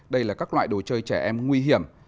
đây là các loại đồ chơi trẻ em nguy hiểm